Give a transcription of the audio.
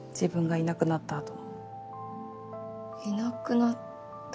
いなくなったあと？